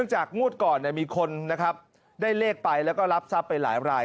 จากงวดก่อนมีคนนะครับได้เลขไปแล้วก็รับทรัพย์ไปหลายราย